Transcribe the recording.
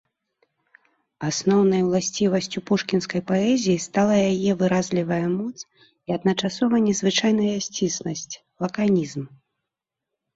Асноўнай уласцівасцю пушкінскай паэзіі стала яе выразлівая моц і адначасова незвычайна сцісласць, лаканізм.